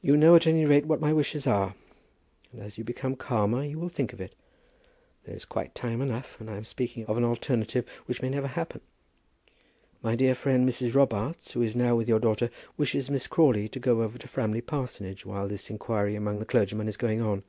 "You know at any rate what my wishes are, and as you become calmer you will think of it. There is quite time enough, and I am speaking of an alternative which may never happen. My dear friend Mrs. Robarts, who is now with your daughter, wishes Miss Crawley to go over to Framley Parsonage while this inquiry among the clergymen is going on.